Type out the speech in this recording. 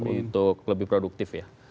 untuk lebih produktif ya